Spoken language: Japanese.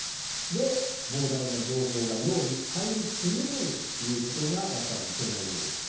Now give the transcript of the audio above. で、膨大な情報が脳に入り続けるということがやっぱりいけないようです。